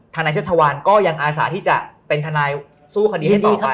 นายเชษฐวานก็ยังอาสาที่จะเป็นทนายสู้คดีให้ต่อไป